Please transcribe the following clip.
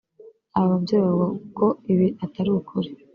Aba babyeyi bavuga ko ibi atari ukuri